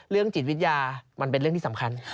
จิตวิทยามันเป็นเรื่องที่สำคัญ